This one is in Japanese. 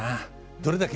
どれだけ。